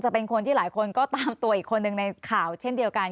เป็นคนที่หลายคนก็ตามตัวอีกคนหนึ่งในข่าวเช่นเดียวกัน